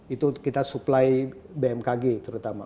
itu kita supply bmkg terutama